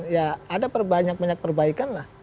ya ada perbanyak banyak perbaikan lah